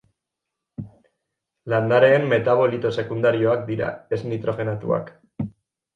Landareen metabolito sekundarioak dira, ez nitrogenatuak.